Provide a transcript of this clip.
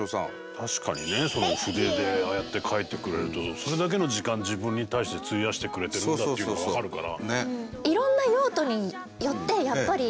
確かにね筆でああやって書いてくれるとそれだけの時間自分に対して費やしてくれてるんだっていうのが分かるから。